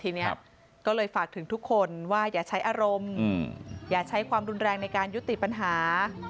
ทีนี้ก็เลยฝากถึงทุกคนว่าอย่าใช้อารมณ์อย่าใช้ความรุนแรงในการยุติปัญหา